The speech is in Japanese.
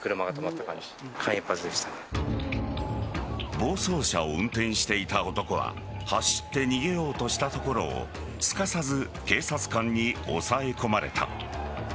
暴走車を運転していた男は走って逃げようとしたところをすかさず警察官に押さえ込まれた。